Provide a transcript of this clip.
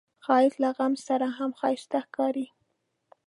ښایست له غم سره هم ښايسته ښکاري